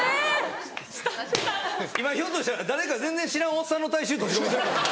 ・スタッフさん・今ひょっとしたら誰か全然知らんおっさんの体臭閉じ込めてるかも。